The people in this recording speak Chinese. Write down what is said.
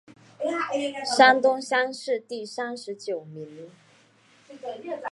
山东乡试第三十九名。